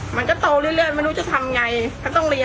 มันก็โตเรื่อยไม่รู้จะทำไง